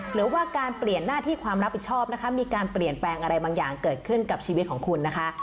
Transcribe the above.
หรือว่าการเปลี่ยนหน้าที่ความรับผิดชอบนะคะมีการเปลี่ยนแปลงอะไรบางอย่างเกิดขึ้นกับชีวิตของคุณนะคะ